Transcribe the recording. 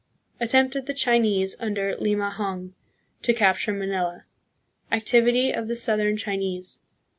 Attempt of the Chinese under Limahong to Capture Manila. Activity of the Southern Chinese.